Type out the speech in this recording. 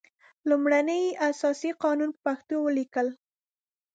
لومړنی اساسي قانون په پښتو ولیکل.